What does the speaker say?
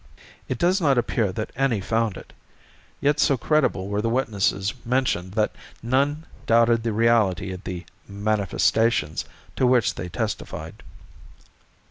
It does not appear that any found it, yet so credible were the witnesses mentioned that none doubted the reality of the "manifestations" to which they testified.